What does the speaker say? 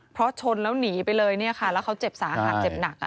เพราะชนแล้วหนีไปเลยเนี่ยค่ะแล้วเขาเจ็บสาหัสเจ็บหนัก